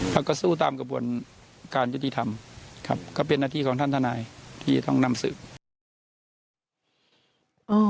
แล้วก็สู้ตามกระบวนการยุติธรรมครับก็เป็นหน้าที่ของท่านทนายที่ต้องนำสืบ